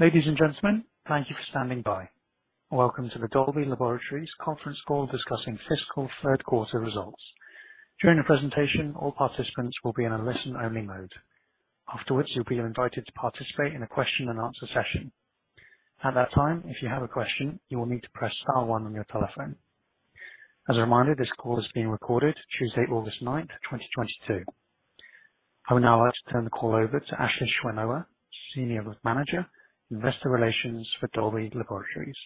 Ladies and gentlemen, thank you for standing by. Welcome to the Dolby Laboratories conference call discussing fiscal third quarter results. During the presentation, all participants will be in a listen-only mode. Afterwards, you'll be invited to participate in a question and answer session. At that time, if you have a question, you will need to press star one on your telephone. As a reminder, this call is being recorded Tuesday, August 9, 2022. I would now like to turn the call over to Ashley Schwenoha, Senior Manager, Investor Relations for Dolby Laboratories.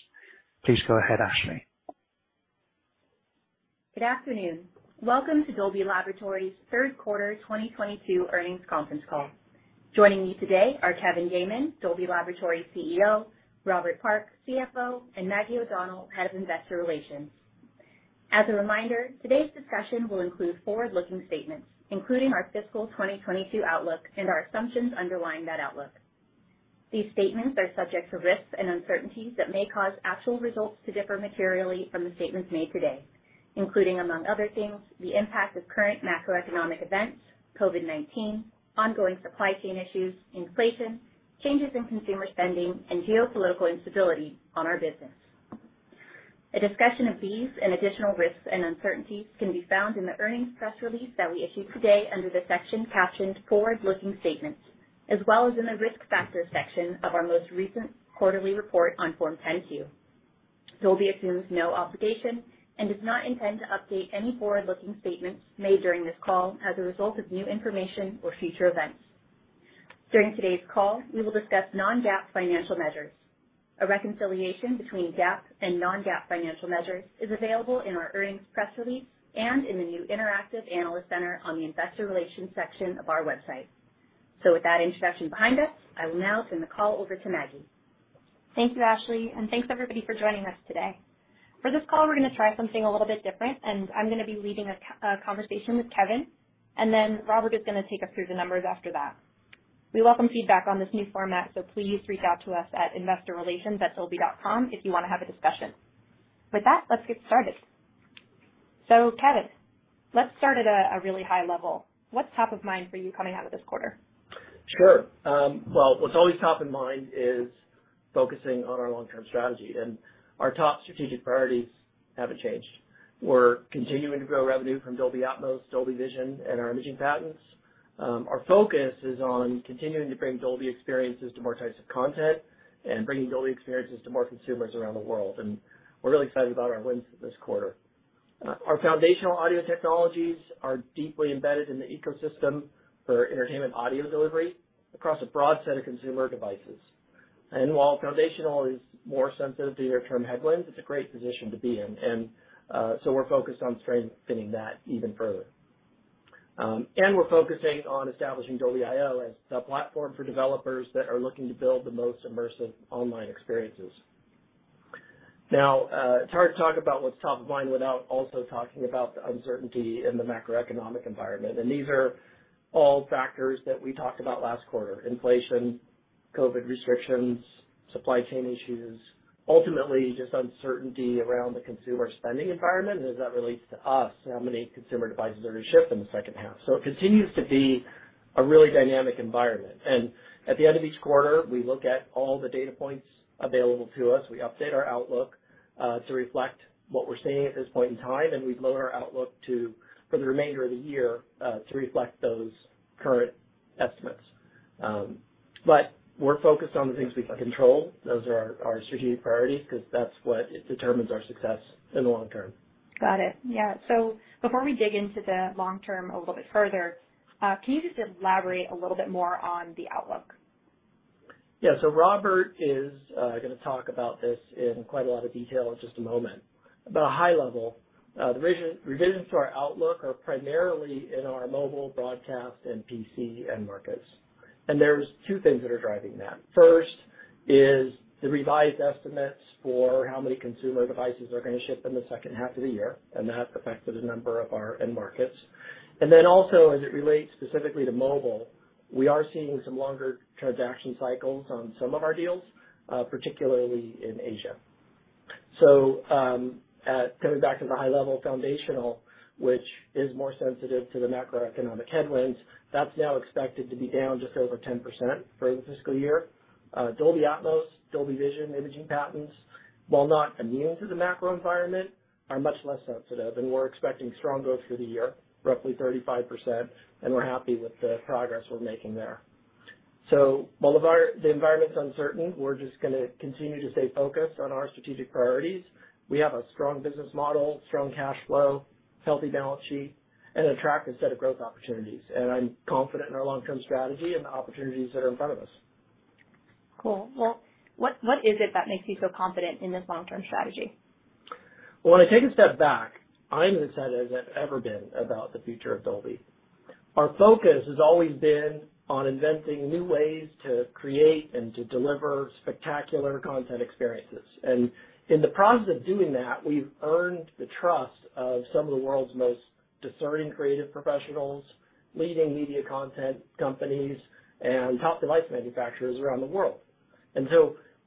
Please go ahead, Ashley. Good afternoon. Welcome to Dolby Laboratories' third quarter 2022 earnings conference call. Joining me today are Kevin Yeaman, Dolby Laboratories CEO, Robert Park, CFO, and Maggie O'Donnell, Head of Investor Relations. As a reminder, today's discussion will include forward-looking statements, including our fiscal 2022 outlook and our assumptions underlying that outlook. These statements are subject to risks and uncertainties that may cause actual results to differ materially from the statements made today, including, among other things, the impact of current macroeconomic events, COVID-19, ongoing supply chain issues, inflation, changes in consumer spending, and geopolitical instability on our business. A discussion of these and additional risks and uncertainties can be found in the earnings press release that we issued today under the section captioned Forward-Looking Statements, as well as in the Risk Factors section of our most recent quarterly report on Form 10-Q. Dolby assumes no obligation and does not intend to update any forward-looking statements made during this call as a result of new information or future events. During today's call, we will discuss non-GAAP financial measures. A reconciliation between GAAP and non-GAAP financial measures is available in our earnings press release and in the new interactive analyst center on the investor relations section of our website. With that introduction behind us, I will now turn the call over to Maggie. Thank you, Ashley, and thanks everybody for joining us today. For this call, we're gonna try something a little bit different, and I'm gonna be leading a conversation with Kevin, and then Robert is gonna take us through the numbers after that. We welcome feedback on this new format, so please reach out to us at investorrelations@dolby.com if you wanna have a discussion. With that, let's get started. Kevin, let's start at a really high level. What's top of mind for you coming out of this quarter? Sure. Well, what's always top of mind is focusing on our long-term strategy, and our top strategic priorities haven't changed. We're continuing to grow revenue from Dolby Atmos, Dolby Vision, and our imaging patents. Our focus is on continuing to bring Dolby experiences to more types of content and bringing Dolby experiences to more consumers around the world, and we're really excited about our wins this quarter. Our foundational audio technologies are deeply embedded in the ecosystem for entertainment audio delivery across a broad set of consumer devices. And while foundational is more sensitive to near-term headwinds, it's a great position to be in. So we're focused on strengthening that even further. We're focusing on establishing Dolby.io as the platform for developers that are looking to build the most immersive online experiences. Now, it's hard to talk about what's top of mind without also talking about the uncertainty in the macroeconomic environment, and these are all factors that we talked about last quarter. Inflation, COVID restrictions, supply chain issues, ultimately just uncertainty around the consumer spending environment as that relates to us and how many consumer devices are to ship in the second half. It continues to be a really dynamic environment. At the end of each quarter, we look at all the data points available to us. We update our outlook to reflect what we're seeing at this point in time, and we've lowered our outlook for the remainder of the year to reflect those current estimates. We're focused on the things we can control. Those are our strategic priorities, 'cause that's what determines our success in the long term. Got it. Yeah. Before we dig into the long term a little bit further, can you just elaborate a little bit more on the outlook? Yeah. Robert is gonna talk about this in quite a lot of detail in just a moment. High level, the revisions to our outlook are primarily in our mobile, broadcast, and PC end markets. There's two things that are driving that. First is the revised estimates for how many consumer devices are gonna ship in the second half of the year, and that's affected a number of our end markets. Then also as it relates specifically to mobile, we are seeing some longer transaction cycles on some of our deals, particularly in Asia. Going back to the high level foundational, which is more sensitive to the macroeconomic headwinds, that's now expected to be down just over 10% for the fiscal year. Dolby Atmos, Dolby Vision, imaging patents, while not immune to the macro environment, are much less sensitive, and we're expecting strong growth for the year, roughly 35%, and we're happy with the progress we're making there. While the environment's uncertain, we're just gonna continue to stay focused on our strategic priorities. We have a strong business model, strong cash flow, healthy balance sheet, and attractive set of growth opportunities. I'm confident in our long-term strategy and the opportunities that are in front of us. Cool. Well, what is it that makes you feel confident in this long-term strategy? Well, when I take a step back, I'm as excited as I've ever been about the future of Dolby. Our focus has always been on inventing new ways to create and to deliver spectacular content experiences. In the process of doing that, we've earned the trust of some of the world's most discerning creative professionals, leading media content companies, and top device manufacturers around the world.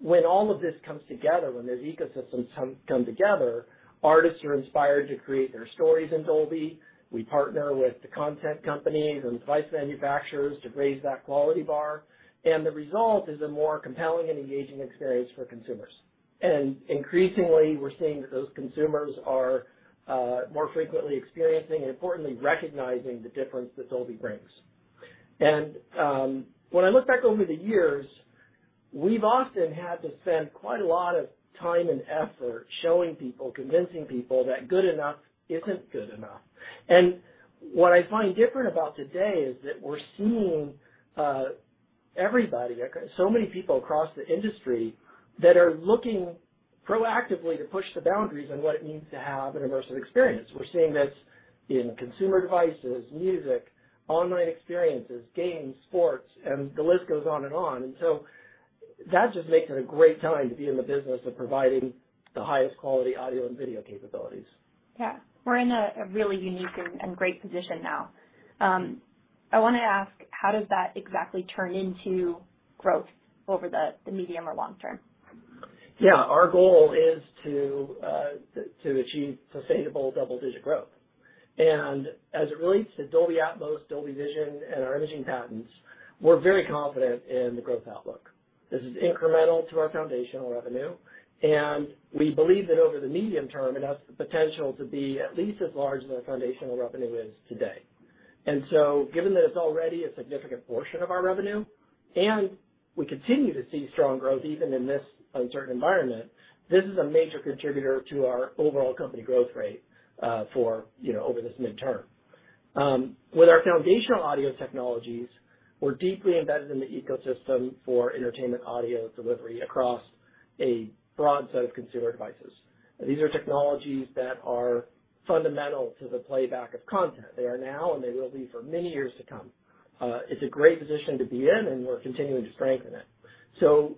When all of this comes together, when those ecosystems come together, artists are inspired to create their stories in Dolby. We partner with the content companies and device manufacturers to raise that quality bar, and the result is a more compelling and engaging experience for consumers. Increasingly, we're seeing that those consumers are more frequently experiencing and importantly recognizing the difference that Dolby brings. When I look back over the years, we've often had to spend quite a lot of time and effort showing people, convincing people that good enough isn't good enough. What I find different about today is that we're seeing everybody, so many people across the industry that are looking proactively to push the boundaries on what it means to have an immersive experience. We're seeing this in consumer devices, music, online experiences, games, sports, and the list goes on and on. That just makes it a great time to be in the business of providing the highest quality audio and video capabilities. Yeah. We're in a really unique and great position now. I wanna ask, how does that exactly turn into growth over the medium or long term? Yeah. Our goal is to achieve sustainable double-digit growth. As it relates to Dolby Atmos, Dolby Vision, and our imaging patents, we're very confident in the growth outlook. This is incremental to our foundational revenue, and we believe that over the medium term, it has the potential to be at least as large as our foundational revenue is today. Given that it's already a significant portion of our revenue, and we continue to see strong growth even in this uncertain environment, this is a major contributor to our overall company growth rate, you know, over this mid-term. With our foundational audio technologies, we're deeply embedded in the ecosystem for entertainment audio delivery across a broad set of consumer devices. These are technologies that are fundamental to the playback of content. They are now, and they will be for many years to come. It's a great position to be in, and we're continuing to strengthen it.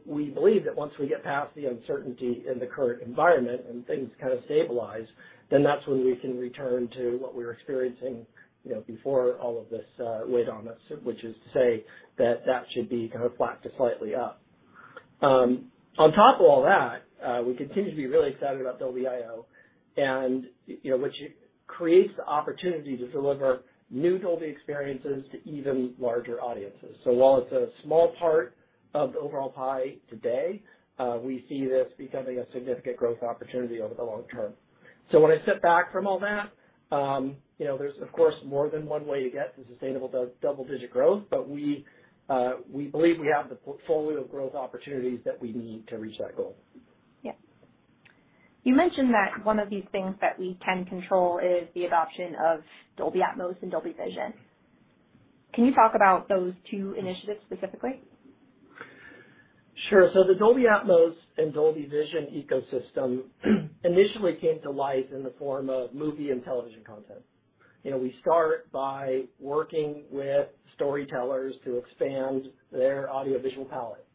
We believe that once we get past the uncertainty in the current environment and things kinda stabilize, then that's when we can return to what we were experiencing, you know, before all of this weighed on us, which is to say that should be kind of flat to slightly up. On top of all that, we continue to be really excited about Dolby.io and, you know, which creates the opportunity to deliver new Dolby experiences to even larger audiences. While it's a small part of the overall pie today, we see this becoming a significant growth opportunity over the long term. When I sit back from all that, you know, there's of course more than one way to get to sustainable double-digit growth, but we believe we have the portfolio growth opportunities that we need to reach that goal. Yeah. You mentioned that one of these things that we can control is the adoption of Dolby Atmos and Dolby Vision. Can you talk about those two initiatives specifically? Sure. The Dolby Atmos and Dolby Vision ecosystem initially came to life in the form of movie and television content. You know, we start by working with storytellers to expand their audiovisual palette.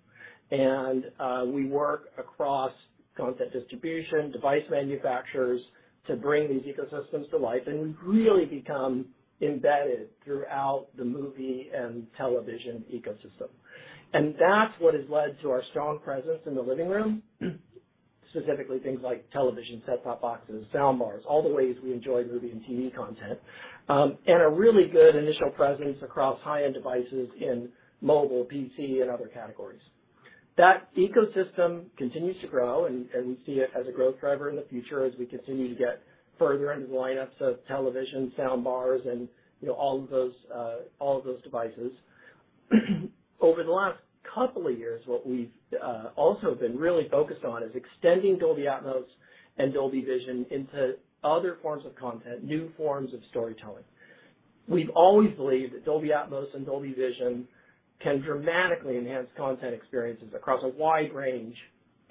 We work across content distribution, device manufacturers to bring these ecosystems to life, and we've really become embedded throughout the movie and television ecosystem. That's what has led to our strong presence in the living room, specifically things like television set-top boxes, sound bars, all the ways we enjoy movie and TV content, and a really good initial presence across high-end devices in mobile, PC, and other categories. That ecosystem continues to grow, and we see it as a growth driver in the future as we continue to get further into the lineups of television, sound bars, and, you know, all of those devices. Over the last couple of years, what we've also been really focused on is extending Dolby Atmos and Dolby Vision into other forms of content, new forms of storytelling. We've always believed that Dolby Atmos and Dolby Vision can dramatically enhance content experiences across a wide range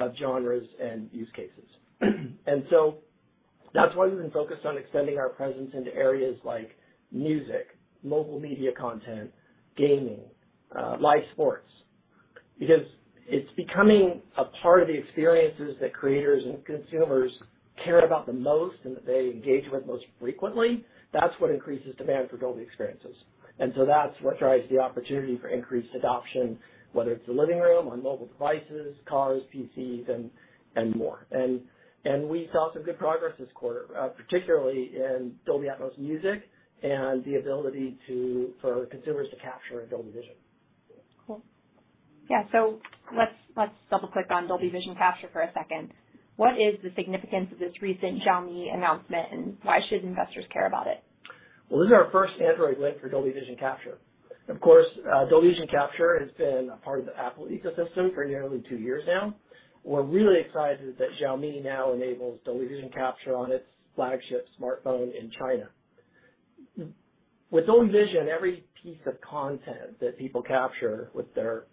of genres and use cases. That's why we've been focused on extending our presence into areas like music, mobile media content, gaming, live sports. Because it's becoming a part of the experiences that creators and consumers care about the most and that they engage with most frequently. That's what increases demand for Dolby experiences. That's what drives the opportunity for increased adoption, whether it's the living room, on mobile devices, cars, PCs, and more. We saw some good progress this quarter, particularly in Dolby Atmos Music and the ability for consumers to capture in Dolby Vision. Cool. Yeah. Let's double-click on Dolby Vision Capture for a second. What is the significance of this recent Xiaomi announcement, and why should investors care about it? Well, this is our first Android win for Dolby Vision Capture. Of course, Dolby Vision Capture has been a part of the Apple ecosystem for nearly two years now. We're really excited that Xiaomi now enables Dolby Vision Capture on its flagship smartphone in China. With Dolby Vision, every piece of content that people capture with their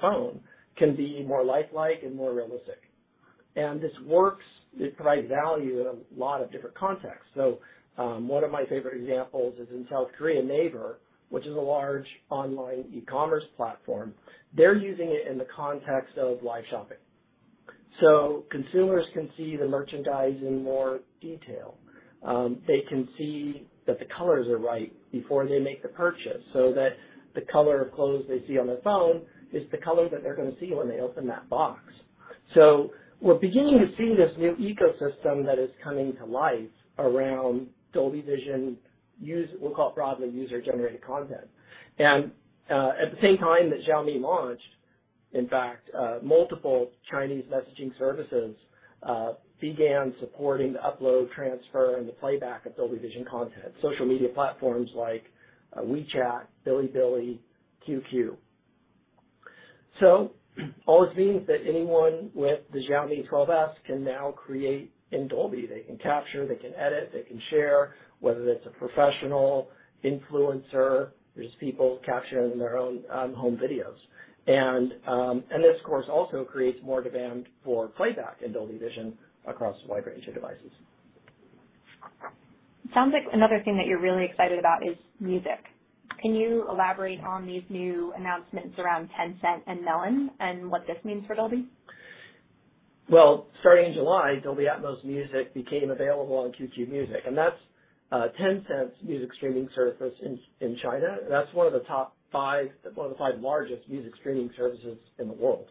phone can be more lifelike and more realistic. This works. It provides value in a lot of different contexts. One of my favorite examples is in South Korea, Naver, which is a large online e-commerce platform. They're using it in the context of live shopping. Consumers can see the merchandise in more detail. They can see that the colors are right before they make the purchase, so that the color of clothes they see on their phone is the color that they're gonna see when they open that box. We're beginning to see this new ecosystem that is coming to life around Dolby Vision, we'll call it broadly user-generated content. At the same time that Xiaomi launched, in fact, multiple Chinese messaging services began supporting the upload, transfer, and the playback of Dolby Vision content, social media platforms like WeChat, Bilibili, QQ. All this means that anyone with the Xiaomi 12S can now create in Dolby. They can capture, they can edit, they can share, whether it's a professional influencer or just people capturing their own home videos. This of course also creates more demand for playback in Dolby Vision across a wide range of devices. Sounds like another thing that you're really excited about is music. Can you elaborate on these new announcements around Tencent and Melon and what this means for Dolby? Starting in July, Dolby Atmos Music became available on QQ Music, and that's Tencent's music streaming service in China. That's one of the five largest music streaming services in the world.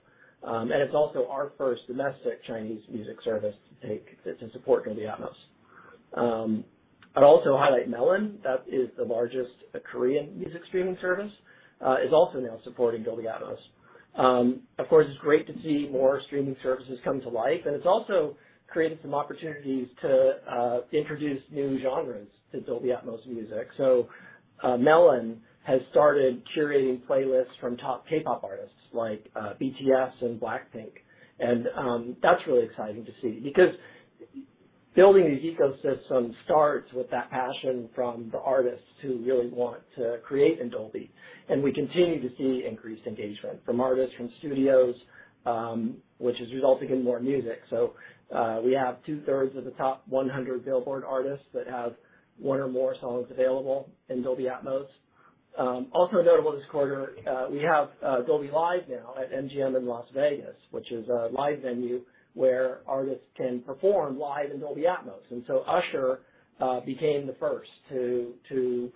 It's also our first domestic Chinese music service to support Dolby Atmos. I'd also highlight Melon. That is the largest Korean music streaming service, is also now supporting Dolby Atmos. Of course, it's great to see more streaming services come to life, and it's also created some opportunities to introduce new genres to Dolby Atmos Music. Melon has started curating playlists from top K-pop artists like BTS and Blackpink. That's really exciting to see because building these ecosystems starts with that passion from the artists who really want to create in Dolby. We continue to see increased engagement from artists, from studios, which is resulting in more music. We have 2/3 of the top 100 Billboard artists that have one or more songs available in Dolby Atmos. Also notable this quarter, we have Dolby Live now at Park MGM in Las Vegas, which is a live venue where artists can perform live in Dolby Atmos. Usher became the first to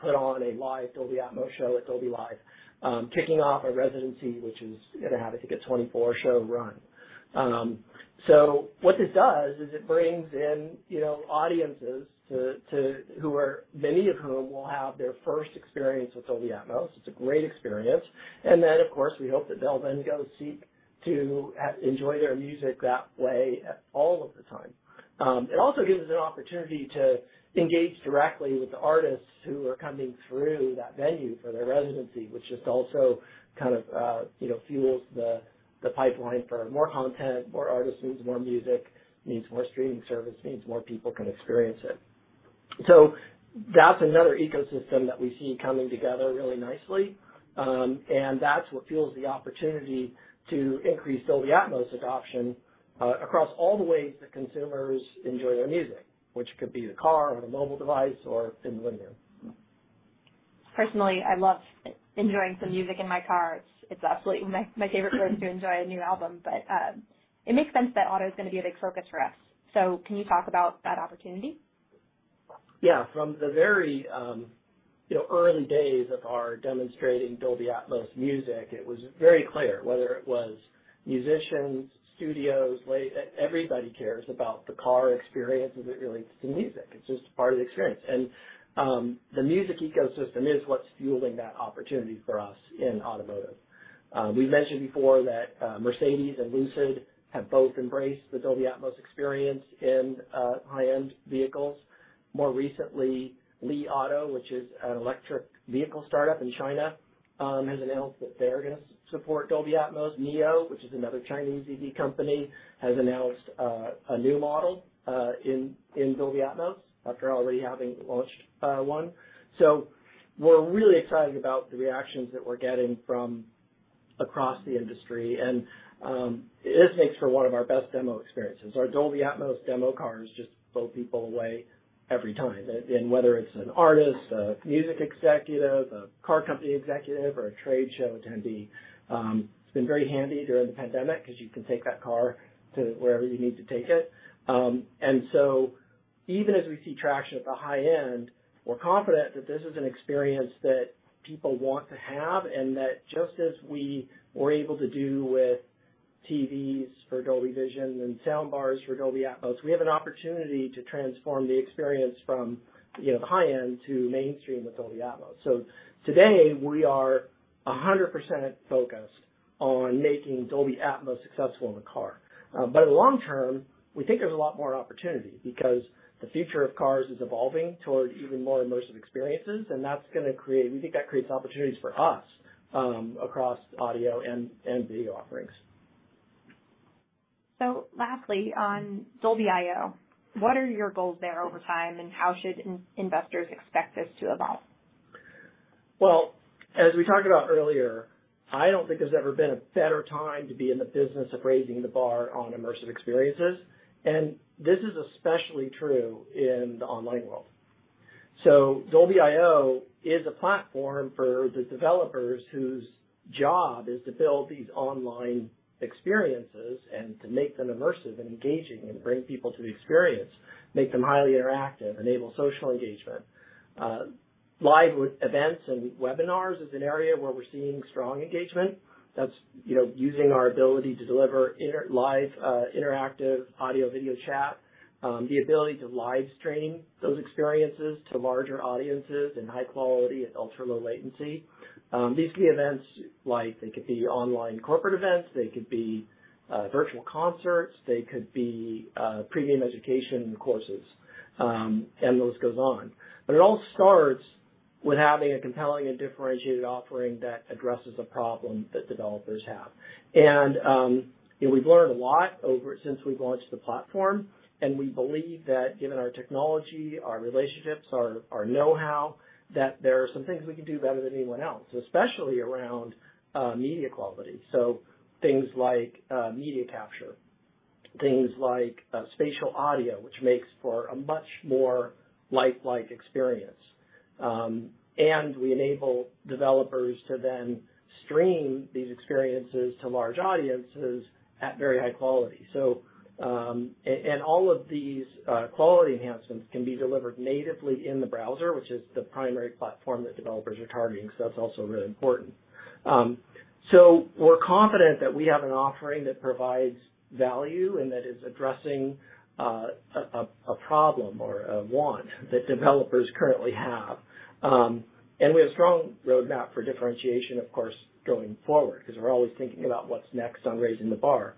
put on a live Dolby Atmos show at Dolby Live, kicking off a residency which is gonna have, I think, a 24-show run. So what this does is it brings in, you know, audiences who are, many of whom will have their first experience with Dolby Atmos. It's a great experience. Of course, we hope that they'll then go seek to enjoy their music that way at all of the time. It also gives us an opportunity to engage directly with the artists who are coming through that venue for their residency, which just also kind of fuels the pipeline for more content, more artists means more music, means more streaming service, means more people can experience it. That's another ecosystem that we see coming together really nicely. That's what fuels the opportunity to increase Dolby Atmos adoption across all the ways that consumers enjoy their music, which could be the car or the mobile device or in the living room. Personally, I love enjoying some music in my car. It's absolutely my favorite way to enjoy a new album. It makes sense that auto's gonna be a big focus for us. Can you talk about that opportunity? Yeah. From the very, you know, early days of our demonstrating Dolby Atmos Music, it was very clear whether it was musicians, studios, everybody cares about the car experience as it relates to music. It's just part of the experience. The music ecosystem is what's fueling that opportunity for us in automotive. We've mentioned before that Mercedes and Lucid have both embraced the Dolby Atmos experience in high-end vehicles. More recently, Li Auto, which is an electric vehicle startup in China, has announced that they're gonna support Dolby Atmos. NIO, which is another Chinese EV company, has announced a new model in Dolby Atmos after already having launched one. We're really excited about the reactions that we're getting from across the industry. This makes for one of our best demo experiences. Our Dolby Atmos demo car has just blown people away every time. Whether it's an artist, a music executive, a car company executive, or a trade show attendee, it's been very handy during the pandemic because you can take that car to wherever you need to take it. Even as we see traction at the high end, we're confident that this is an experience that people want to have and that just as we were able to do with TVs for Dolby Vision and sound bars for Dolby Atmos, we have an opportunity to transform the experience from, you know, the high end to mainstream with Dolby Atmos. Today, we are 100% focused on making Dolby Atmos successful in the car. Long term, we think there's a lot more opportunity because the future of cars is evolving towards even more immersive experiences, and we think that creates opportunities for us, across audio and video offerings. Lastly, on Dolby.io, what are your goals there over time, and how should investors expect this to evolve? As we talked about earlier, I don't think there's ever been a better time to be in the business of raising the bar on immersive experiences, and this is especially true in the online world. Dolby.io is a platform for the developers whose job is to build these online experiences and to make them immersive and engaging and bring people to the experience, make them highly interactive, enable social engagement. Live events and webinars is an area where we're seeing strong engagement. That's, you know, using our ability to deliver live, interactive audio/video chat. The ability to live stream those experiences to larger audiences in high quality at ultra-low latency. These could be events like, they could be online corporate events, they could be, virtual concerts, they could be, premium education courses, and the list goes on. It all starts with having a compelling and differentiated offering that addresses a problem that developers have. You know, we've learned a lot ever since we've launched the platform, and we believe that given our technology, our relationships, our know-how, that there are some things we can do better than anyone else, especially around media quality. Things like media capture, things like spatial audio, which makes for a much more lifelike experience. We enable developers to then stream these experiences to large audiences at very high quality. And all of these quality enhancements can be delivered natively in the browser, which is the primary platform that developers are targeting, so that's also really important. We're confident that we have an offering that provides value and that is addressing a problem or a want that developers currently have. We have a strong roadmap for differentiation, of course, going forward, 'cause we're always thinking about what's next on raising the bar.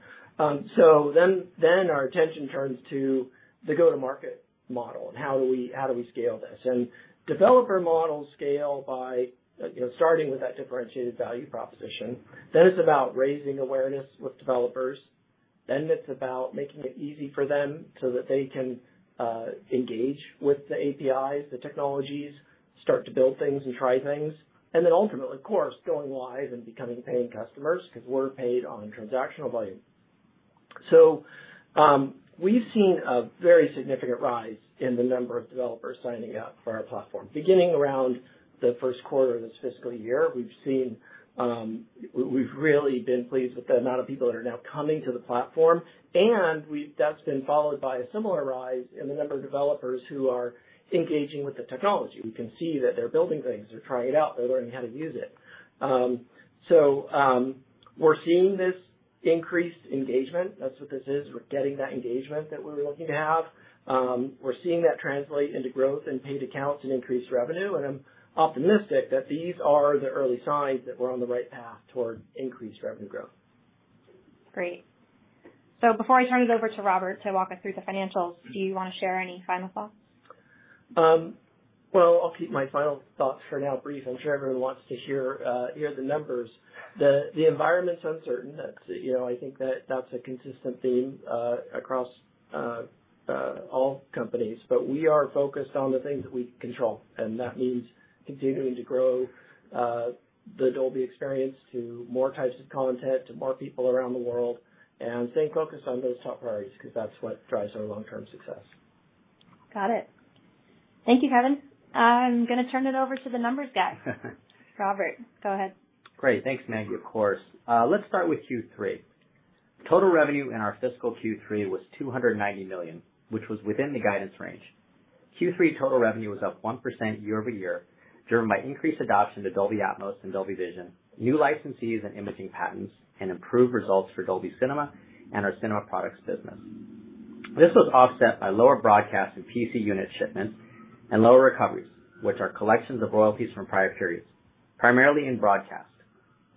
Our attention turns to the go-to-market model and how do we scale this. Developer models scale by, you know, starting with that differentiated value proposition. It's about raising awareness with developers. It's about making it easy for them so that they can engage with the APIs, the technologies, start to build things and try things, and then ultimately, of course, going live and becoming paying customers, 'cause we're paid on transactional volume. We've seen a very significant rise in the number of developers signing up for our platform. Beginning around the first quarter of this fiscal year, we've really been pleased with the amount of people that are now coming to the platform. That's been followed by a similar rise in the number of developers who are engaging with the technology. We can see that they're building things. They're trying it out. They're learning how to use it. We're seeing this increased engagement. That's what this is. We're getting that engagement that we were looking to have. We're seeing that translate into growth in paid accounts and increased revenue, and I'm optimistic that these are the early signs that we're on the right path toward increased revenue growth. Great. Before I turn it over to Robert to walk us through the financials, do you wanna share any final thoughts? Well, I'll keep my final thoughts for now brief. I'm sure everyone wants to hear the numbers. The environment's uncertain. That's, you know, I think that's a consistent theme across all companies. We are focused on the things that we control, and that means continuing to grow the Dolby experience to more types of content, to more people around the world, and staying focused on those top priorities, 'cause that's what drives our long-term success. Got it. Thank you, Kevin. I'm gonna turn it over to the numbers guy. Robert, go ahead. Great. Thanks, Maggie. Of course. Let's start with Q3. Total revenue in our fiscal Q3 was $290 million, which was within the guidance range. Q3 total revenue was up 1% year-over-year, driven by increased adoption of Dolby Atmos and Dolby Vision, new licensees and imaging patents, and improved results for Dolby Cinema and our cinema products business. This was offset by lower broadcast and PC unit shipments and lower recoveries, which are collections of royalties from prior periods, primarily in broadcast.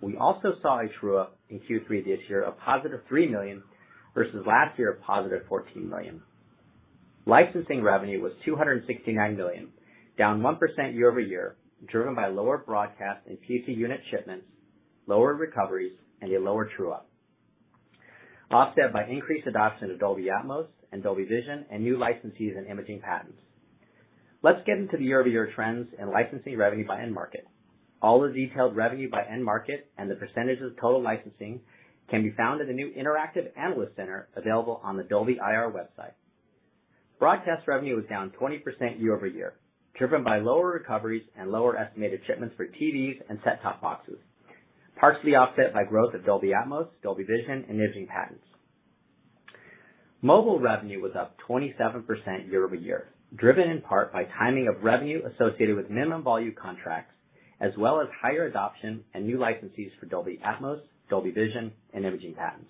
We also saw a true up in Q3 this year of +$3 million, versus last year of +$14 million. Licensing revenue was $269 million, down 1% year-over-year, driven by lower broadcast and PC unit shipments, lower recoveries, and a lower true up. Offset by increased adoption of Dolby Atmos and Dolby Vision and new licensees and imaging patents. Let's get into the year-over-year trends in licensing revenue by end market. All the detailed revenue by end market and the percentages of total licensing can be found in the new interactive analyst center available on the Dolby IR website. Broadcast revenue was down 20% year-over-year, driven by lower recoveries and lower estimated shipments for TVs and set-top boxes. Partially offset by growth of Dolby Atmos, Dolby Vision, and imaging patents. Mobile revenue was up 27% year-over-year, driven in part by timing of revenue associated with minimum volume contracts, as well as higher adoption and new licensees for Dolby Atmos, Dolby Vision, and imaging patents.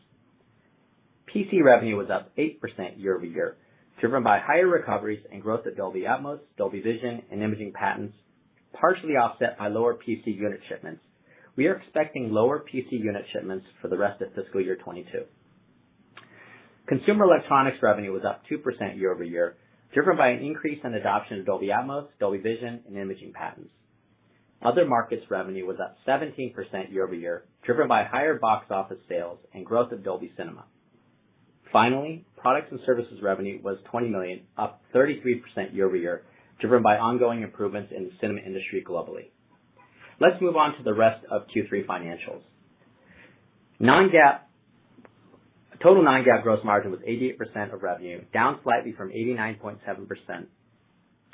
PC revenue was up 8% year-over-year, driven by higher recoveries and growth at Dolby Atmos, Dolby Vision, and imaging patents, partially offset by lower PC unit shipments. We are expecting lower PC unit shipments for the rest of fiscal year 2022. Consumer electronics revenue was up 2% year-over-year, driven by an increase in adoption of Dolby Atmos, Dolby Vision, and imaging patents. Other markets revenue was up 17% year-over-year, driven by higher box office sales and growth of Dolby Cinema. Finally, products and services revenue was $20 million, up 33% year-over-year, driven by ongoing improvements in the cinema industry globally. Let's move on to the rest of Q3 financials. Non-GAAP total non-GAAP gross margin was 88% of revenue, down slightly from 89.7%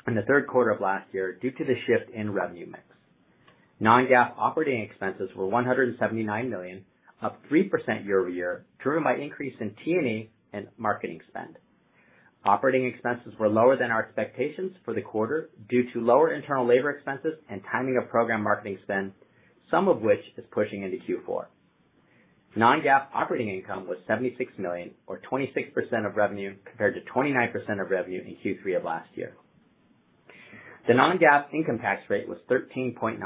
in the third quarter of last year due to the shift in revenue mix. Non-GAAP operating expenses were $179 million, up 3% year-over-year, driven by increase in T&E and marketing spend. Operating expenses were lower than our expectations for the quarter due to lower internal labor expenses and timing of program marketing spend, some of which is pushing into Q4. Non-GAAP operating income was $76 million or 26% of revenue, compared to 29% of revenue in Q3 of last year. The non-GAAP income tax rate was 13.9%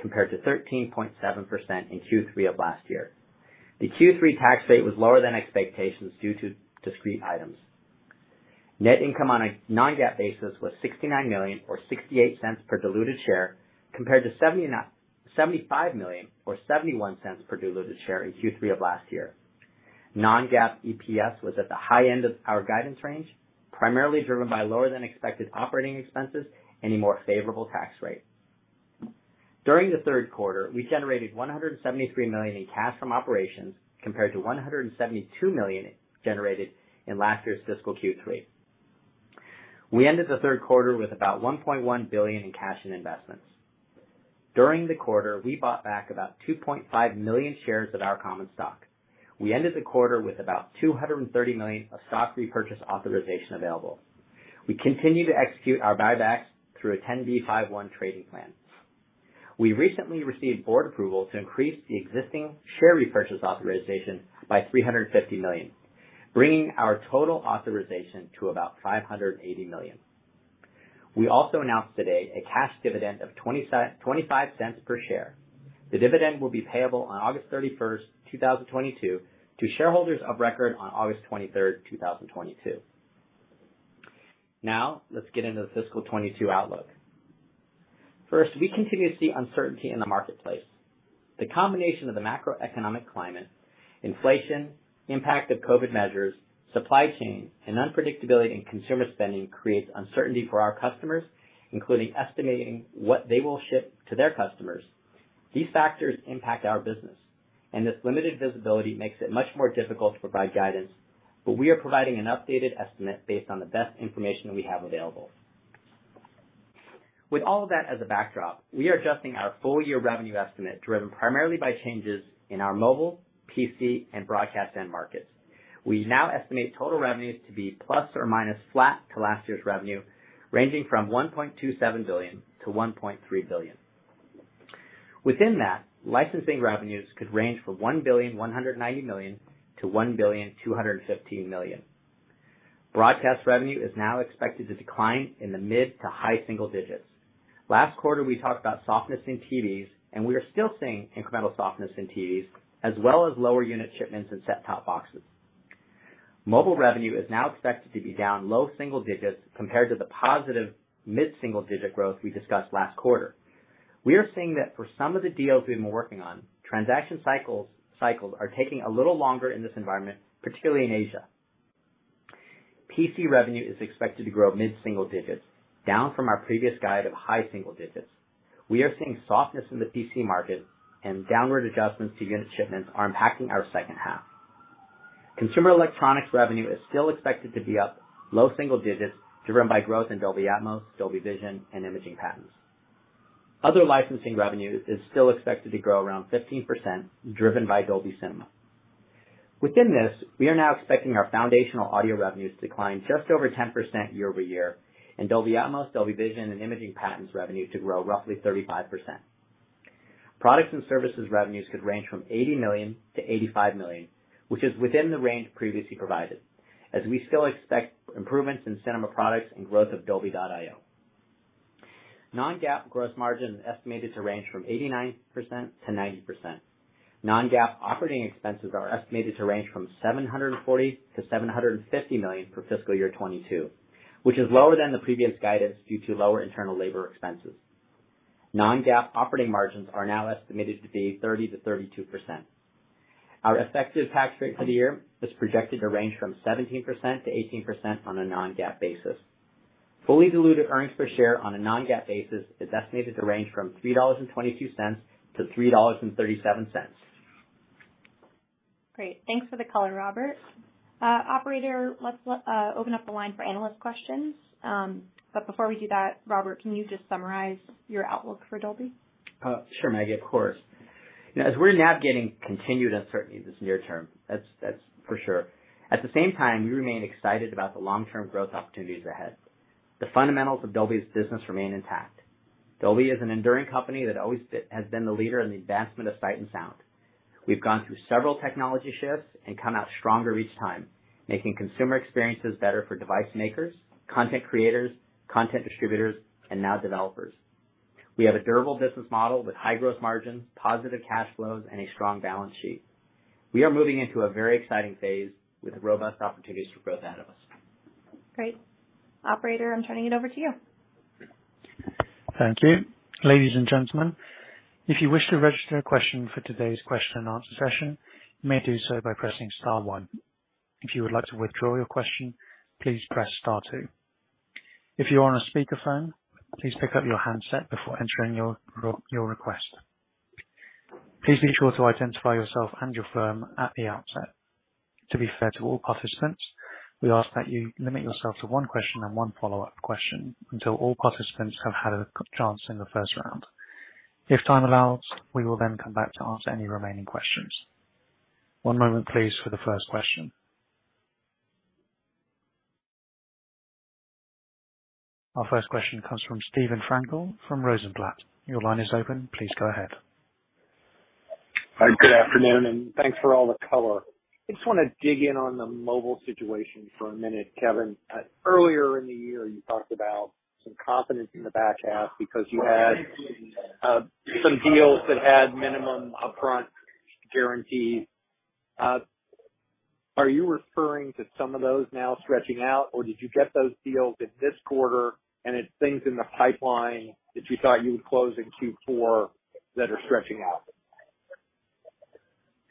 compared to 13.7% in Q3 of last year. The Q3 tax rate was lower than expectations due to discrete items. Net income on a non-GAAP basis was $69 million or $0.68 per diluted share, compared to $75 million or $0.71 per diluted share in Q3 of last year. Non-GAAP EPS was at the high end of our guidance range, primarily driven by lower than expected operating expenses and a more favorable tax rate. During the third quarter, we generated $173 million in cash from operations compared to $172 million generated in last year's fiscal Q3. We ended the third quarter with about $1.1 billion in cash and investments. During the quarter, we bought back about 2.5 million shares of our common stock. We ended the quarter with about $230 million of stock repurchase authorization available. We continue to execute our buybacks through a 10b5-1 trading plan. We recently received board approval to increase the existing share repurchase authorization by $350 million, bringing our total authorization to about $580 million. We also announced today a cash dividend of $0.25 per share. The dividend will be payable on August 31st, 2022 to shareholders of record on August 23rd, 2022. Now let's get into the fiscal 2022 outlook. First, we continue to see uncertainty in the marketplace. The combination of the macroeconomic climate, inflation, impact of COVID measures, supply chain, and unpredictability in consumer spending creates uncertainty for our customers, including estimating what they will ship to their customers. These factors impact our business, and this limited visibility makes it much more difficult to provide guidance, but we are providing an updated estimate based on the best information we have available. With all of that as a backdrop, we are adjusting our full-year revenue estimate driven primarily by changes in our mobile, PC, and broadcast end markets. We now estimate total revenues to be ± flat to last year's revenue, ranging from $1.27 billion-$1.3 billion. Within that, licensing revenues could range from $1.19 billion-$1.215 billion. Broadcast revenue is now expected to decline in the mid- to high-single digits. Last quarter, we talked about softness in TVs, and we are still seeing incremental softness in TVs as well as lower unit shipments and set-top boxes. Mobile revenue is now expected to be down low-single digits compared to the positive mid-single-digit growth we discussed last quarter. We are seeing that for some of the deals we've been working on, transaction cycles are taking a little longer in this environment, particularly in Asia. PC revenue is expected to grow mid-single digits, down from our previous guide of high-single digits. We are seeing softness in the PC market and downward adjustments to unit shipments are impacting our second half. Consumer electronics revenue is still expected to be up low-single digits driven by growth in Dolby Atmos, Dolby Vision, and imaging patents. Other licensing revenues is still expected to grow around 15%, driven by Dolby Cinema. Within this, we are now expecting our foundational audio revenues to decline just over 10% year-over-year, and Dolby Atmos, Dolby Vision, and imaging patents revenue to grow roughly 35%. Products and services revenues could range from $80 million-$85 million, which is within the range previously provided, as we still expect improvements in cinema products and growth of Dolby.io. Non-GAAP gross margin is estimated to range from 89%-90%. Non-GAAP operating expenses are estimated to range from $740 million-$750 million for fiscal year 2022, which is lower than the previous guidance due to lower internal labor expenses. Non-GAAP operating margins are now estimated to be 30%-32%. Our effective tax rate for the year is projected to range from 17%-18% on a non-GAAP basis. Fully diluted earnings per share on a non-GAAP basis is estimated to range from $3.22-$3.37. Great. Thanks for the color, Robert. Operator, let's open up the line for analyst questions. Before we do that, Robert, can you just summarize your outlook for Dolby? Sure, Maggie, of course. As we're navigating continued uncertainty this near term, that's for sure. At the same time, we remain excited about the long-term growth opportunities ahead. The fundamentals of Dolby's business remain intact. Dolby is an enduring company that always has been the leader in the advancement of sight and sound. We've gone through several technology shifts and come out stronger each time, making consumer experiences better for device makers, content creators, content distributors, and now developers. We have a durable business model with high growth margins, positive cash flows, and a strong balance sheet. We are moving into a very exciting phase with robust opportunities for growth ahead of us. Great. Operator, I'm turning it over to you. Thank you. Ladies and gentlemen, if you wish to register a question for today's question and answer session, you may do so by pressing star one. If you would like to withdraw your question, please press star two. If you are on a speakerphone, please pick up your handset before entering your request. Please be sure to identify yourself and your firm at the outset. To be fair to all participants, we ask that you limit yourself to one question and one follow-up question until all participants have had a chance in the first round. If time allows, we will then come back to answer any remaining questions. One moment please for the first question. Our first question comes from Steven Frankel from Rosenblatt. Your line is open. Please go ahead. Hi, good afternoon, and thanks for all the color. I just wanna dig in on the mobile situation for a minute, Kevin. Earlier in the year, you talked about some confidence in the back half because you had some deals that had minimum upfront guarantees. Are you referring to some of those now stretching out, or did you get those deals in this quarter and it's things in the pipeline that you thought you would close in Q4 that are stretching out?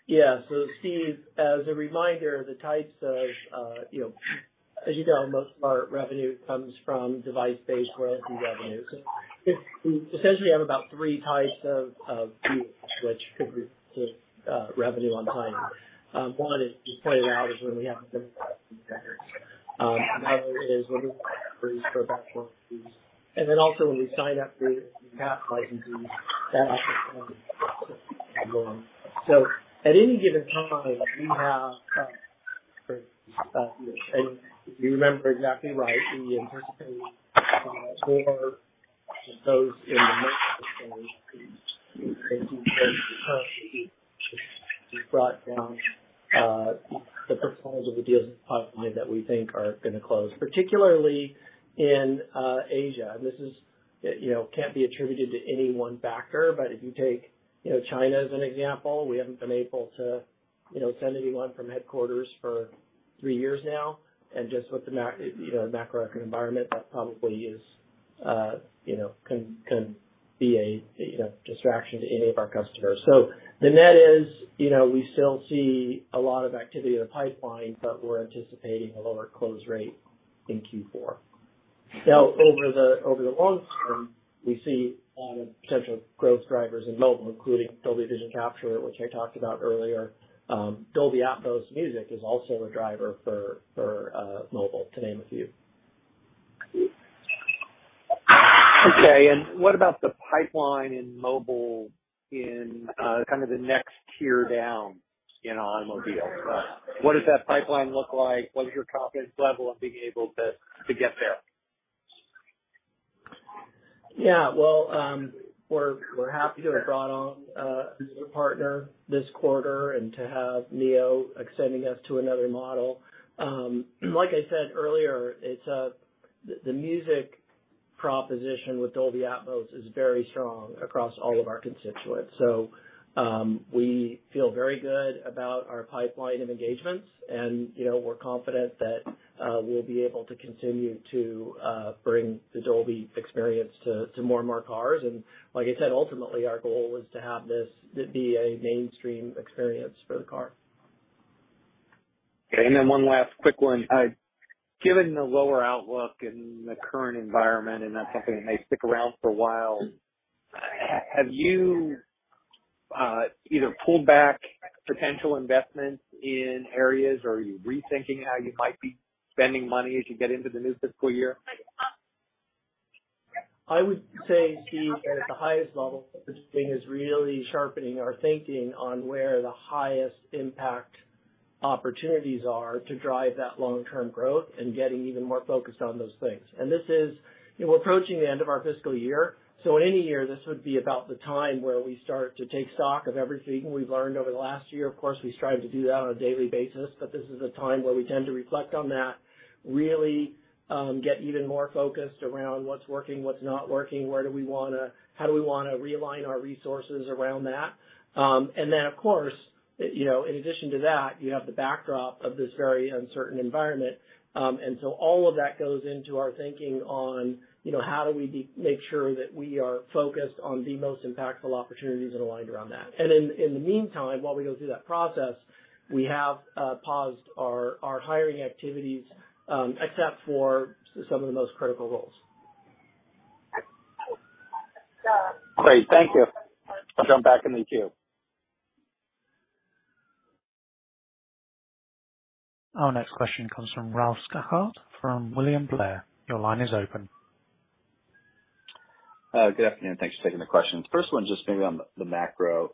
Yeah. Steve, as a reminder, the types of, you know, as you know, most of our revenue comes from device-based royalty revenue. We essentially have about three types of deals which could impact revenue timing. One is, you pointed out, is when we have minimum guarantees. Another is when we have royalties for backlogged fees. When we sign up new OEM licensees, that often comes with an advance as well. At any given time, we have, and if you remember exactly right, we anticipated more of those in the marketplace stage. Currently we've brought down the proposals of the deals pipeline that we think are gonna close, particularly in Asia. This, you know, can't be attributed to any one factor. If you take, you know, China as an example, we haven't been able to, you know, send anyone from headquarters for three years now. Just with the macro environment that probably is, you know, can be a distraction to any of our customers. The net is, you know, we still see a lot of activity in the pipeline, but we're anticipating a lower close rate in Q4. Now, over the long term, we see a lot of potential growth drivers in mobile, including Dolby Vision Capture, which I talked about earlier. Dolby Atmos Music is also a driver for mobile, to name a few. Okay. What about the pipeline in mobile in, kind of the next tier down, you know, on mobile? What does that pipeline look like? What is your confidence level on being able to get there? Yeah. Well, we're happy to have brought on a new partner this quarter and to have NIO extending us to another model. Like I said earlier, it's the music proposition with Dolby Atmos is very strong across all of our constituents. We feel very good about our pipeline of engagements and, you know, we're confident that we'll be able to continue to bring the Dolby experience to more and more cars. Like I said, ultimately our goal is to have this be a mainstream experience for the car. Okay. One last quick one. Given the lower outlook and the current environment, and that's something that may stick around for a while, have you either pulled back potential investments in areas or are you rethinking how you might be spending money as you get into the new fiscal year? I would say, Steve, that at the highest level, the thing is really sharpening our thinking on where the highest impact opportunities are to drive that long-term growth and getting even more focused on those things. This is. You know, we're approaching the end of our fiscal year, so in any year this would be about the time where we start to take stock of everything we've learned over the last year. Of course, we strive to do that on a daily basis, but this is a time where we tend to reflect on that, really, get even more focused around what's working, what's not working, where do we wanna, how do we wanna realign our resources around that. Of course, you know, in addition to that, you have the backdrop of this very uncertain environment. All of that goes into our thinking on, you know, how do we make sure that we are focused on the most impactful opportunities and aligned around that. In the meantime, while we go through that process, we have paused our hiring activities, except for some of the most critical roles. Great. Thank you. I'll jump back in the queue. Our next question comes from Ralph Schackart from William Blair. Your line is open. Good afternoon. Thanks for taking the questions. First one, just maybe on the macro.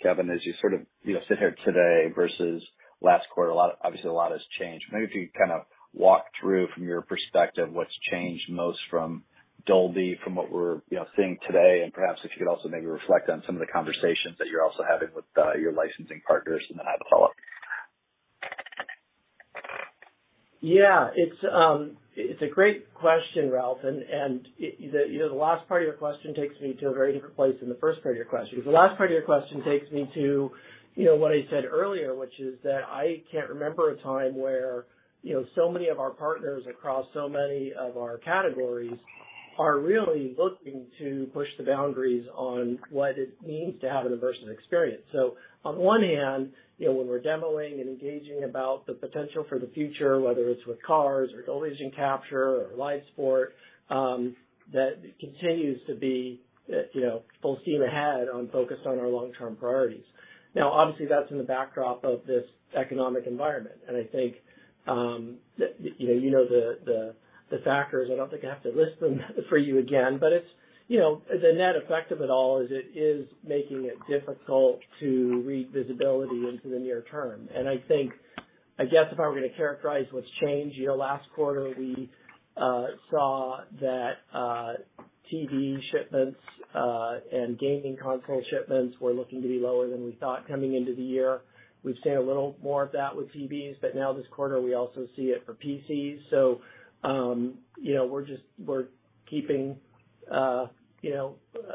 Kevin, as you sort of, you know, sit here today versus last quarter, a lot, obviously a lot has changed. Maybe if you kind of walk through from your perspective what's changed most from Dolby from what we're, you know, seeing today. Perhaps if you could also maybe reflect on some of the conversations that you're also having with your licensing partners and then I have a follow-up. Yeah, it's a great question, Ralph. The last part of your question takes me to a very different place than the first part of your question. Because the last part of your question takes me to what I said earlier, which is that I can't remember a time where so many of our partners across so many of our categories are really looking to push the boundaries on what it means to have an immersive experience. On one hand, you know, when we're demoing and engaging about the potential for the future, whether it's with cars or Dolby Vision Capture or live sports, that continues to be, you know, full steam ahead, focused on our long-term priorities. Now, obviously, that's in the backdrop of this economic environment, and I think, you know, you know the factors, I don't think I have to list them for you again, but it's, you know, the net effect of it all is it is making it difficult to read visibility into the near term. I think, I guess, if I were gonna characterize what's changed, you know, last quarter, we saw that TV shipments and gaming console shipments were looking to be lower than we thought coming into the year. We've seen a little more of that with TVs, but now this quarter, we also see it for PCs. You know, we're keeping you know,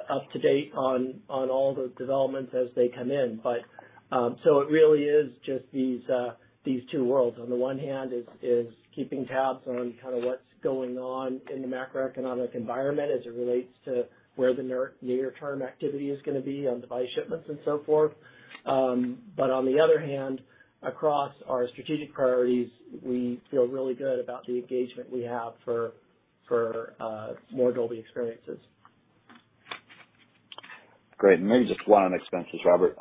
up to date on all the developments as they come in. It really is just these two worlds. On the one hand is keeping tabs on kind of what's going on in the macroeconomic environment as it relates to where the near-term activity is gonna be on device shipments and so forth. On the other hand, across our strategic priorities, we feel really good about the engagement we have for more Dolby experiences. Great. Maybe just one on expenses, Robert.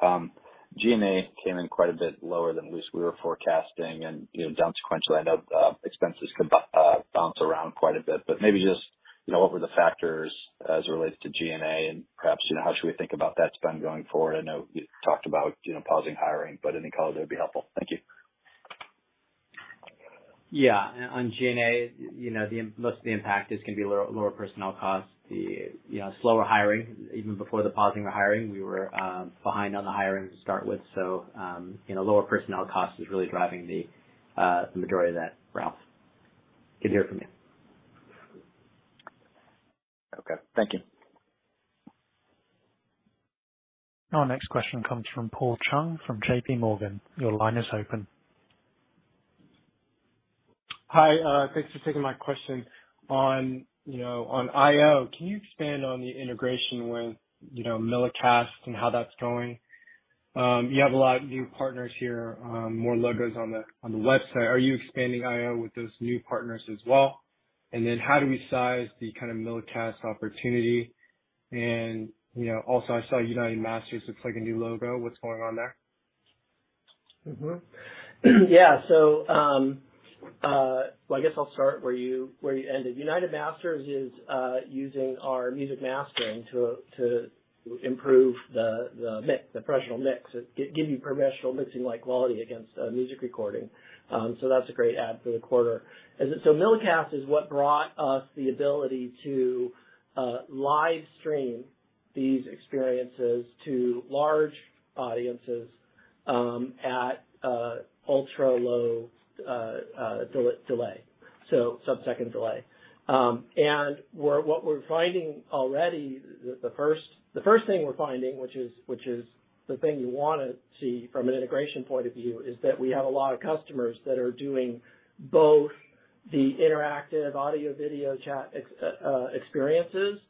G&A came in quite a bit lower than we were forecasting and, you know, down sequentially. I know expenses can bounce around quite a bit, but maybe just, you know, what were the factors as it relates to G&A, and perhaps, you know, how should we think about that spend going forward? I know you talked about, you know, pausing hiring, but any color there would be helpful. Thank you. Yeah. On G&A, you know, the most of the impact is gonna be lower personnel costs, you know, slower hiring. Even before the pausing of hiring, we were behind on the hiring to start with. You know, lower personnel cost is really driving the majority of that, Ralph. Good to hear from you. Okay. Thank you. Our next question comes from Paul Chung from JPMorgan. Your line is open. Hi, thanks for taking my question. On, you know, on Dolby.io, can you expand on the integration with, you know, Millicast and how that's going? You have a lot of new partners here, more logos on the website. Are you expanding Dolby.io with those new partners as well? Then how do we size the kind of Millicast opportunity? You know, I saw UnitedMasters looks like a new logo. What's going on there? Yeah. Well, I guess I'll start where you ended. UnitedMasters is using our music mastering to improve the mix, the professional mix. It gives you professional mixing-like quality against a music recording. That's a great add for the quarter. Millicast is what brought us the ability to live stream these experiences to large audiences at ultra-low delay, so subsecond delay. What we're finding already, the first thing we're finding, which is the thing you wanna see from an integration point of view, is that we have a lot of customers that are doing both the interactive audio/video chat experiences,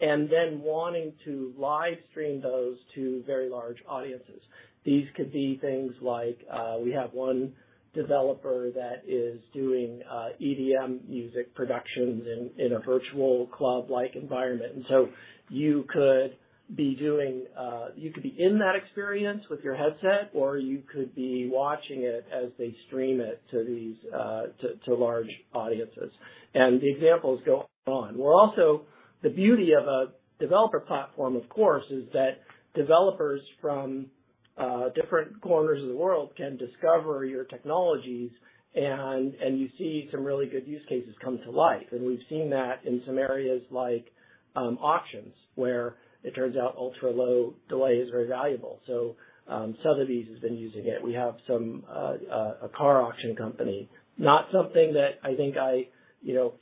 and then wanting to live stream those to very large audiences. These could be things like, we have one developer that is doing EDM music productions in a virtual club-like environment. You could be in that experience with your headset, or you could be watching it as they stream it to these large audiences. The examples go on. We're also. The beauty of a developer platform, of course, is that developers from different corners of the world can discover your technologies and you see some really good use cases come to life. We've seen that in some areas like auctions, where it turns out ultra-low delay is very valuable. Sotheby's has been using it. We have some, a car auction company. Not something that I think I, you know,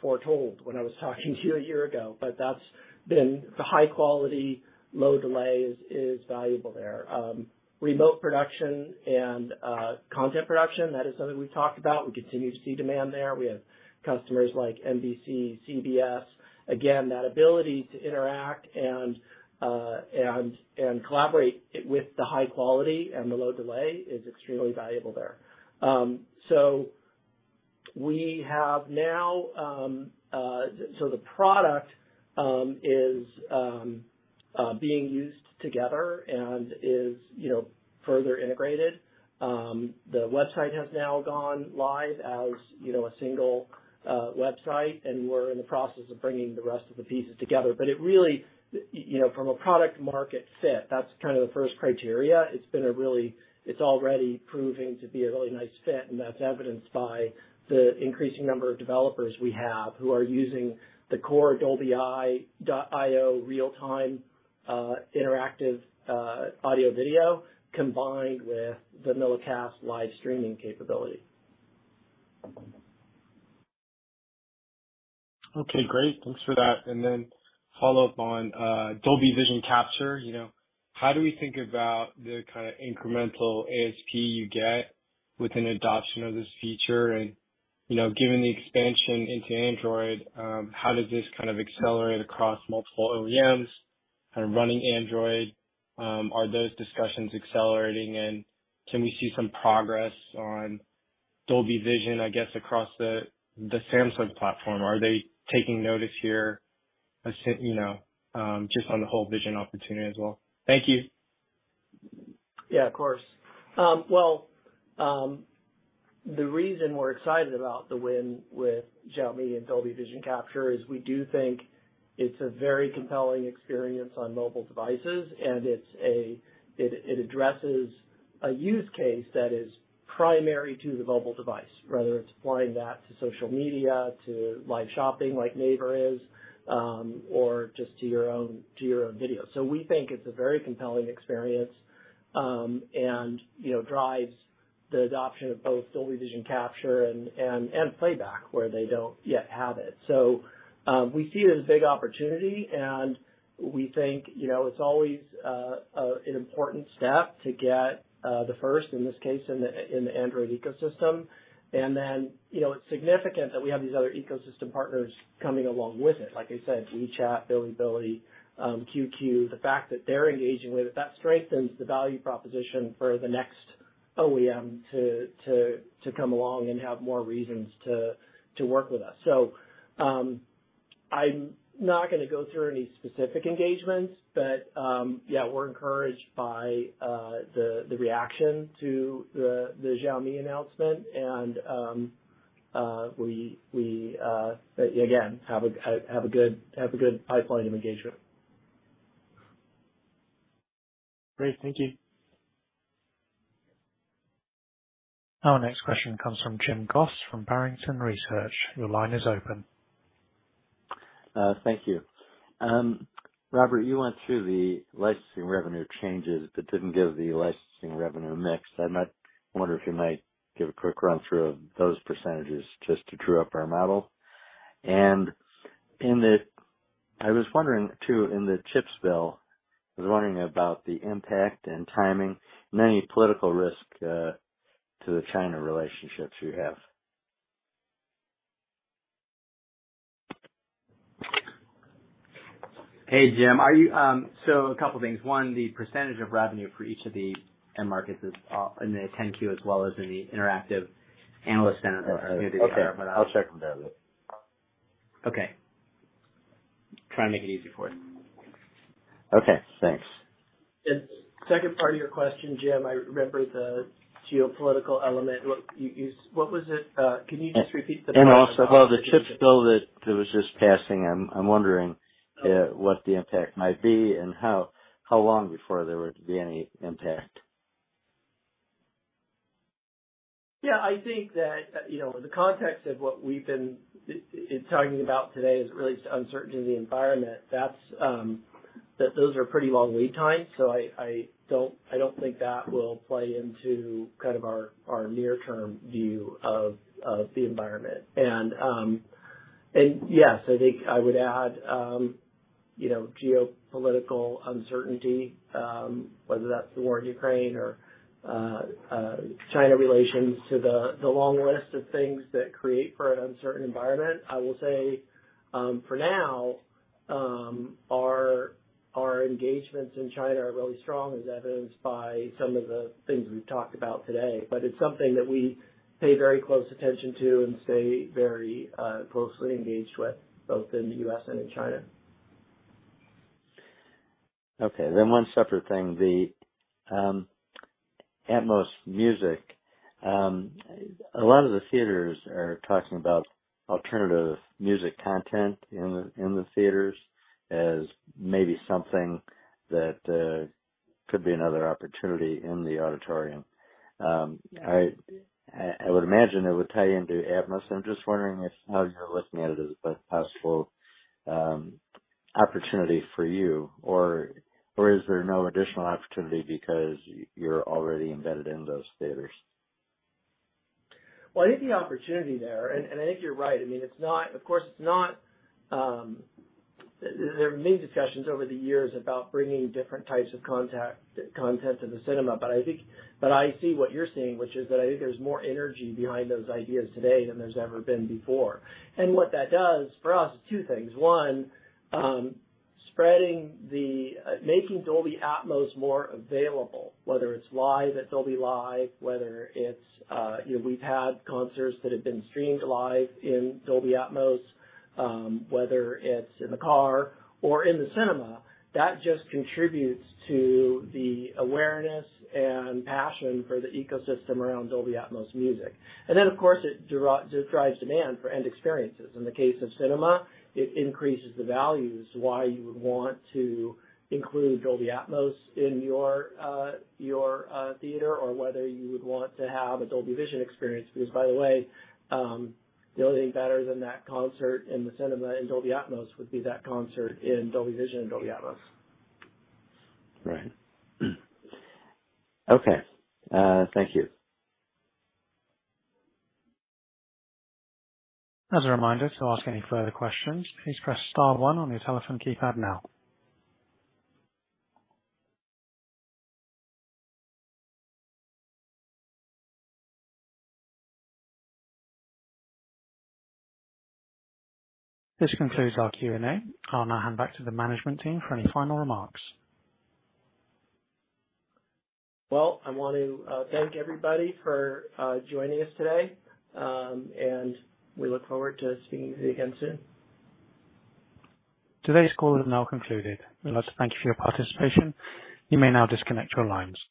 foretold when I was talking to you a year ago, but that's been the high quality, low delay is valuable there. Remote production and content production, that is something we've talked about. We continue to see demand there. We have customers like NBC, CBS. Again, that ability to interact and collaborate with the high quality and the low delay is extremely valuable there. So the product is being used together and is, you know, further integrated. The website has now gone live as, you know, a single website, and we're in the process of bringing the rest of the pieces together. It really, you know, from a product market fit, that's kind of the first criteria. It's already proving to be a really nice fit, and that's evidenced by the increasing number of developers we have who are using the core Dolby.io real-time, interactive, audio/video combined with the Millicast live streaming capability. Okay, great. Thanks for that. Follow-up on Dolby Vision Capture. You know, how do we think about the kind of incremental ASP you get? With an adoption of this feature, and, you know, given the expansion into Android, how does this kind of accelerate across multiple OEMs kind of running Android? Are those discussions accelerating, and can we see some progress on Dolby Vision, I guess, across the Samsung platform? Are they taking notice here, as you know, just on the whole vision opportunity as well? Thank you. Yeah, of course. Well, the reason we're excited about the win with Xiaomi and Dolby Vision Capture is we do think it's a very compelling experience on mobile devices, and it addresses a use case that is primary to the mobile device, whether it's applying that to social media, to live shopping like Naver is, or just to your own video. We think it's a very compelling experience, and, you know, drives the adoption of both Dolby Vision Capture and playback where they don't yet have it. We see it as a big opportunity, and we think, you know, it's always an important step to get the first in this case in the Android ecosystem. You know, it's significant that we have these other ecosystem partners coming along with it. Like I said, WeChat, Bilibili, QQ. The fact that they're engaging with it, that strengthens the value proposition for the next OEM to come along and have more reasons to work with us. I'm not gonna go through any specific engagements, but yeah, we're encouraged by the reaction to the Xiaomi announcement. We again have a good pipeline of engagement. Great. Thank you. Our next question comes from James Goss from Barrington Research. Your line is open. Thank you. Robert, you went through the licensing revenue changes but didn't give the licensing revenue mix. I might wonder if you might give a quick run through of those percentages just to true up our model. I was wondering, too, in the chips bill, i was wondering about the impact and timing and any political risk to the China relationships you have. Hey, Jim. A couple things. One, the percentage of revenue for each of the end markets is in the Form 10-Q as well as in the Interactive Analyst Center. Okay. I'll check them directly. Okay. Try and make it easy for you. Okay, thanks. Second part of your question, Jim, I remember the geopolitical element. What was it? Can you just repeat the question? Also how the chips bill that there was just passing. I'm wondering what the impact might be and how long before there were to be any impact. Yeah, I think that, you know, the context of what we've been talking about today is really uncertainty in the environment. Those are pretty long lead times. I don't think that will play into kind of our near-term view of the environment. Yes, I think I would add, you know, geopolitical uncertainty, whether that's the war in Ukraine or China relations to the long list of things that create an uncertain environment. I will say, for now, our engagements in China are really strong, as evidenced by some of the things we've talked about today. It's something that we pay very close attention to and stay very closely engaged with, both in the U.S. and in China. Okay, one separate thing, the Atmos Music. A lot of the theaters are talking about alternative music content in the theaters as maybe something that could be another opportunity in the auditorium. Yeah. I would imagine it would tie into Atmos. I'm just wondering if, how you're looking at it as a possible, opportunity for you or is there no additional opportunity because you're already embedded in those theaters? Well, I think the opportunity there, and I think you're right. I mean, it's not, of course, it's not. There have been many discussions over the years about bringing different types of content to the cinema. I think, but I see what you're seeing, which is that I think there's more energy behind those ideas today than there's ever been before. What that does for us is two things. One, making Dolby Atmos more available, whether it's live at Dolby Live, whether it's, you know, we've had concerts that have been streamed live in Dolby Atmos, whether it's in the car or in the cinema, that just contributes to the awareness and passion for the ecosystem around Dolby Atmos Music. Of course, it drives demand for end experiences. In the case of cinema, it increases the values why you would want to include Dolby Atmos in your your theater or whether you would want to have a Dolby Vision experience, because, by the way, the only thing better than that concert in the cinema in Dolby Atmos would be that concert in Dolby Vision and Dolby Atmos. Right. Okay, thank you. As a reminder, to ask any further questions, please press star one on your telephone keypad now. This concludes our Q&A. I'll now hand back to the management team for any final remarks. Well, I want to thank everybody for joining us today. We look forward to speaking with you again soon. Today's call is now concluded. I'd like to thank you for your participation. You may now disconnect your lines.